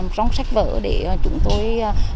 trong sách vở để chúng tôi